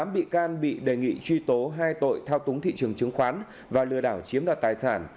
tám bị can bị đề nghị truy tố hai tội thao túng thị trường chứng khoán và lừa đảo chiếm đoạt tài sản